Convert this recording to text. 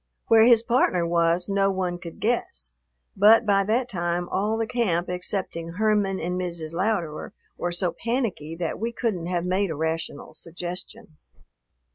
Where his partner was, no one could guess. But by that time all the camp excepting Herman and Mrs. Louderer were so panicky that we couldn't have made a rational suggestion.